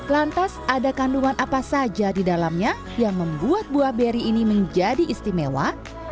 lantas ada kandungan apa saja di dalamnya yang membuat buah beri ini menjadi istimewa